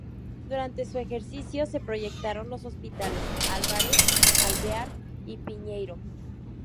Durante su ejercicio se proyectaron los hospitales Álvarez, Alvear y Piñeiro.